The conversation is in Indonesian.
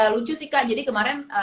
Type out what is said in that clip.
lucu sih kak jadi kemarin